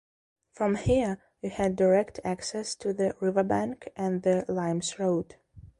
From here you had direct access to the river bank and the Limes road.